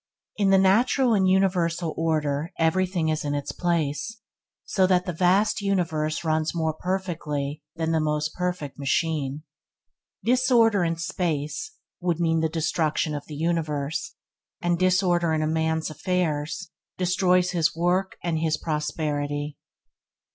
In the natural and universal order everything is in its place, so that the vast universe runs more perfectly than the most perfect machine. Disorder in space would mean the destruction of the universe; and disorder in a man's affairs destroys his work and his prosperity.